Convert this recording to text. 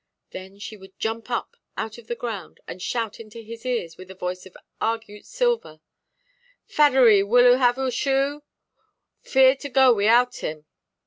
Then she would jump up out of the ground, and shout into his ears, with a voice of argute silver— "Faddery, will 'oo have 'oor shoe? Fear to go wiyout him?"